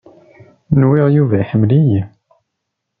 Nwiɣ Yuba iḥemmel-iyi.